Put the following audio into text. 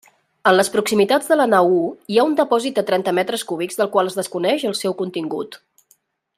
En les proximitats de la nau u hi ha un depòsit de trenta metres cúbics del qual es desconeix el seu contingut.